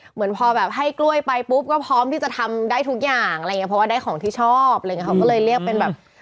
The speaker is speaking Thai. เหมือนพอแบบให้กล้วยไปปุ๊บก็พร้อมที่จะทำได้ทุกอย่างอะไรอย่างเงี้เพราะว่าได้ของที่ชอบอะไรอย่างเงี้เขาก็เลยเรียกเป็นแบบ